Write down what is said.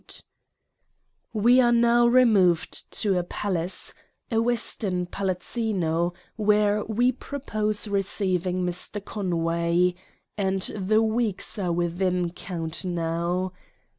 — We are now removed to a palace — a Weston palazzino, where we propose receiving Mr. Conway and the weeks are within count now.